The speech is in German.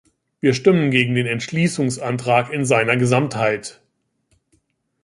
Wir stimmen gegen den Entschließungsantrag in seiner Gesamtheit.